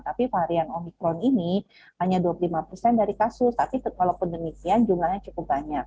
tapi varian omikron ini hanya dua puluh lima persen dari kasus tapi walaupun demikian jumlahnya cukup banyak